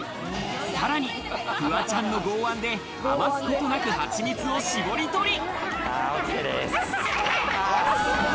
さらにフワちゃんの剛腕で余すことなくハチミツを搾り取り。